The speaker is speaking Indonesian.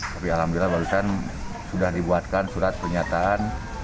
tapi alhamdulillah barusan sudah dibuatkan surat pernyataan